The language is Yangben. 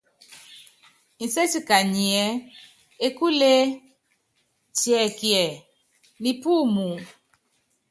Nséti kanyiɛ́: Ekúlee tiɛkiɛ, Nipúumu ?